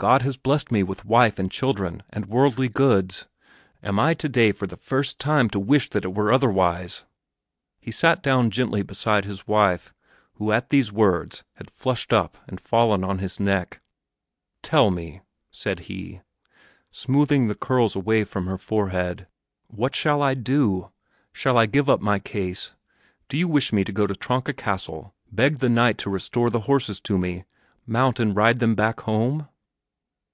God has blessed me with wife and children and worldly goods; am I today for the first time to wish that it were otherwise?" He sat down gently beside his wife, who at these words had flushed up and fallen on his neck. "Tell me!" said he, smoothing the curls away from her forehead. "What shall I do? Shall I give up my case? Do you wish me to go to Tronka Castle, beg the knight to restore the horses to me, mount and ride them back home?"